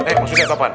eh maksudnya ke apaan